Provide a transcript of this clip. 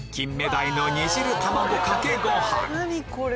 何これ！